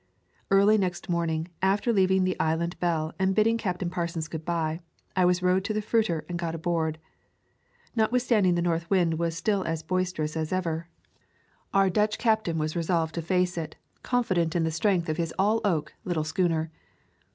Early next morning, after leaving the Island Belle and bidding Captain Parsons good bye, I was rowed to the fruiter and got aboard. Notwithstanding the north wind was still as boisterous as ever, our Dutch captain [371 ] A Thousand Mile Walk was resolved to face it, confident in the strength of his all oak little schooner.